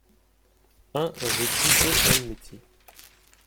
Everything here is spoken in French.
un rue Quinto Elmetti